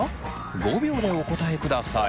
５秒でお答えください。